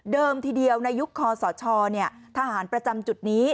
ทีเดียวในยุคคอสชทหารประจำจุดนี้